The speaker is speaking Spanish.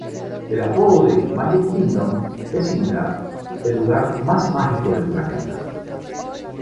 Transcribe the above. El apodo de Magic Kingdom es similar: "el lugar más mágico del planeta".